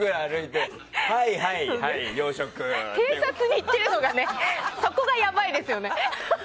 偵察に行ってるのがやばいですよね。